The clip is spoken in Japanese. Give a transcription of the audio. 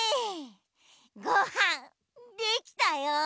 ごはんできたよ。